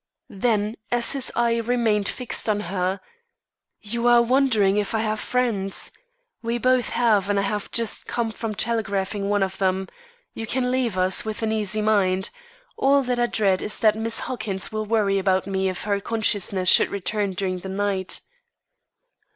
Then, as his eye remained fixed on her: "You are wondering if I have friends. We both have and I have just come from telegraphing to one of them. You can leave us, with an easy mind. All that I dread is that Miss Huckins will worry about me if her consciousness should return during the night."